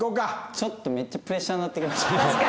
ちょっとめっちゃプレッシャーになってきましたね。